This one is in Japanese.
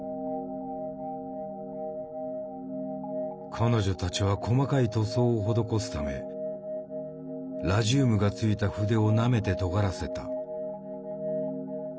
彼女たちは細かい塗装を施すためラジウムが付いた筆をなめてとがらせた。